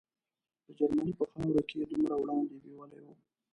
د جرمني په خاوره کې یې دومره وړاندې بیولي وو.